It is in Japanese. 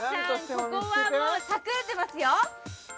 ここはもう隠れてますよ